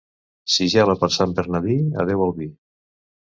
Si gela per Sant Bernadí, adeu al vi.